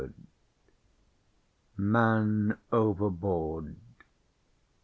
] MAN OVERBOARD!